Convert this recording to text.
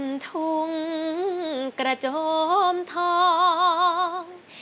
มุมถุงกระโจมทอง